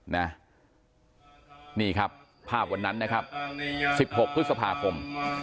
นี่ครับภาพวันนั้นนะครับ๑๖พฤษภาคม